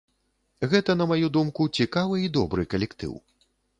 Гэта, на маю думку, цікавы і добры калектыў.